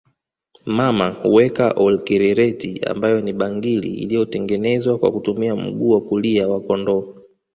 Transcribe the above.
Mama huweka Olkererreti ambayo ni bangili iliyotengenezwa kwa kutumia mguu wa kulia wa kondoo